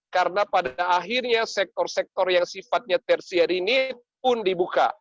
karena pada akhirnya sektor sektor yang sifatnya tertiar ini pun dibuka